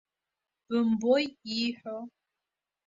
Бымбои ииҳәо?